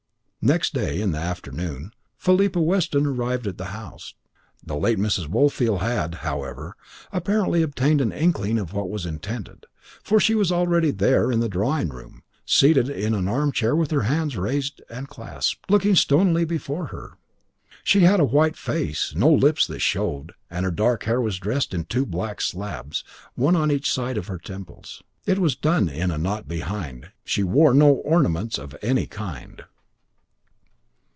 Next day, in the afternoon, Philippa Weston arrived at the house. The late Mrs. Woolfield had, however, apparently obtained an inkling of what was intended, for she was already there, in the drawing room, seated in an armchair with her hands raised and clasped, looking stonily before her. She had a white face, no lips that showed, and her dark hair was dressed in two black slabs, one on each side of the temples. It was done in a knot behind. She wore no ornaments of any kind.